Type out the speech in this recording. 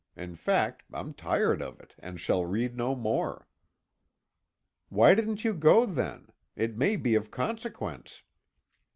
In fact I'm tired of it and shall read no more." "Why didn't you go then? It may be of consequence."